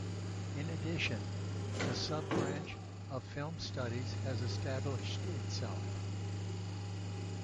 In addition, the sub-branch of film studies has established itself.